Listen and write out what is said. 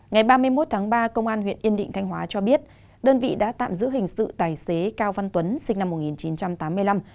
ngày ba mươi một tháng ba công an huyện yên định thanh hóa cho biết đơn vị đã tạm giữ hình sự tài xế cao văn tuấn sinh năm một nghìn chín trăm tám mươi năm